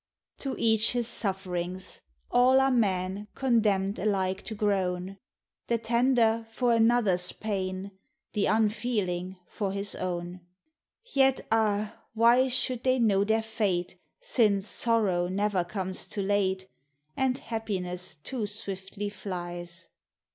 To each his sufferings : all are men, Condemned alike to groan; The tender for another's pain, The unfeeling for his own. Yet, ah ! why should they know their fate, Since sorrow never comes too late, And happiness too swiftly flies?